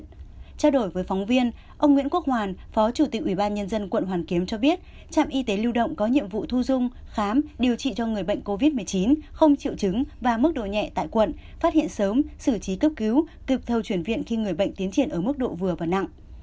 trao đổi với phóng viên ông nguyễn quốc hoàn phó chủ tịch ubnd quận hoàn kiếm cho biết trạm y tế lưu động có nhiệm vụ thu dung khám điều trị cho người bệnh covid một mươi chín không triệu chứng và mức độ nhẹ tại quận phát hiện sớm xử trí cấp cứu kịp thời chuyển viện khi người bệnh tiến triển ở mức độ vừa và nặng